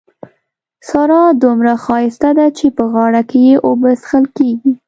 سارا دومره ښايسته ده چې په غاړه کې يې اوبه څښل کېږي.